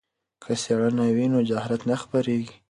که څیړنه وي نو جهالت نه خپریږي.